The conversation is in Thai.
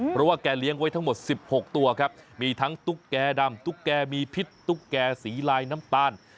เพราะว่าแกเลี้ยงไว้ทั้งหมด๑๖ตัวครับมีทั้งตุ๊กแก่ดำตุ๊กแกมีพิษตุ๊กแก่สีลายน้ำตาล